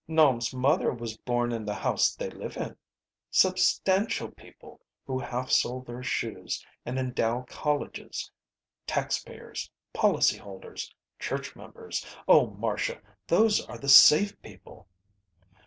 "Nome's mother was born in the house they live in." "Substantial people, who half sole their shoes and endow colleges. Taxpayers. Policyholders. Church members. Oh, Marcia, those are the safe people!"